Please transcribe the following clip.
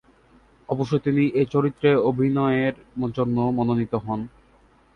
অবশ্য তিনি এই চরিত্রে অভিনয়ের জন্য মনোনীত হন।